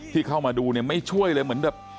ที่เข้ามาดูเนี่ยไม่ช่วยเลยเหมือนแบบ